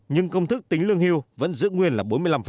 nhưng công thức tính lương hưu vẫn giữ nguyên là bốn mươi năm